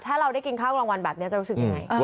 ถ้าเราได้กินข้าวกลางวันแบบนี้จะรู้สึกยังไง